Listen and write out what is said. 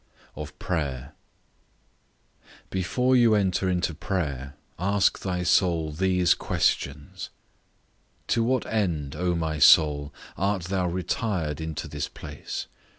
OF PRAYER. Before you enter into prayer, ask thy soul these questions, 1. To what end, O my soul! art thou retired into this place?